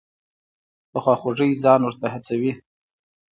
په خواخوږۍ ځان ورته هڅوي.